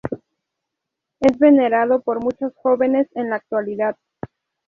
Es venerado por muchos jóvenes en la actualidad.